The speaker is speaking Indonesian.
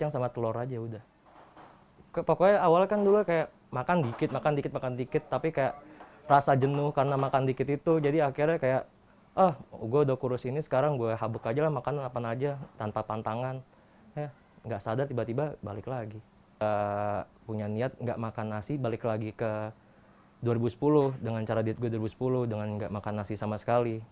saya punya niat tidak makan nasi balik lagi ke dua ribu sepuluh dengan cara diet saya dua ribu sepuluh dengan tidak makan nasi sama sekali